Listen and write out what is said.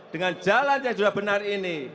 dengan jalan yang sudah benar ini